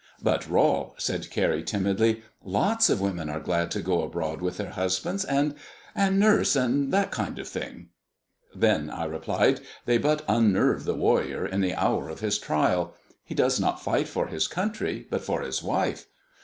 "But, Rol," said Carrie timidly, "lots of women are glad to go abroad with their husbands, and and nurse, and that kind of thing." "Then," I replied, "they but unnerve the warrior in the hour of his trial. He does not fight for his country, but for his wife.